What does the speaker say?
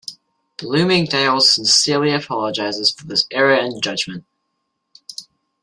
Bloomingdale's sincerely apologizes for this error in judgment.